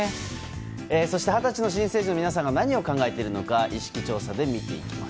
そして二十歳の新成人の皆さんが何を考えているのか意識調査で見ていきます。